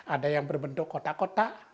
ada yang berbentuk kotak kotak